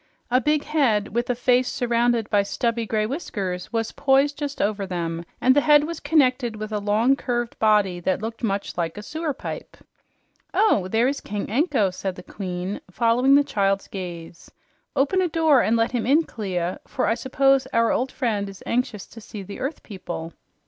A big head with a face surrounded by stubby gray whiskers was poised just over them, and the head was connected with a long, curved body that looked much like a sewer pipe. "Oh, there is King Anko," said the Queen, following the child's gaze. "Open a door and let him in, Clia, for I suppose our old friend is anxious to see the earth people."